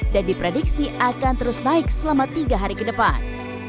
dan diprediksi akan terus naik selama tiga hari ke depan